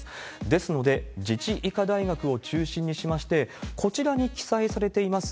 ですので、自治医科大学を中心にしまして、こちらに記載されています